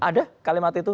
ada kalimat itu